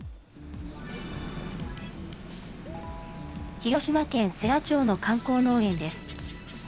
広島県世羅町の観光農園です。